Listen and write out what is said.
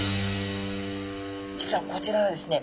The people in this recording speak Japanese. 実はこちらはですね